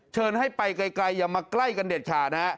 เชิญให้ไปไกลอย่ามาใกล้กันเด็ดขาดนะฮะ